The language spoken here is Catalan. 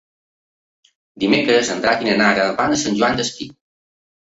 Dimecres en Drac i na Nara van a Sant Joan Despí.